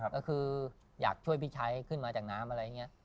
ก็คืออยากช่วยพี่ใช้ขึ้นมาจากน้ำอะไรอย่างนี้